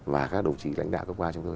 và các đồng chí lãnh đạo cấp ba chúng tôi